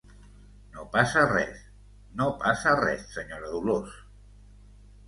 No passa res, no passa res, senyora Dolors.